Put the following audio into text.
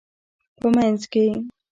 په مینځ کې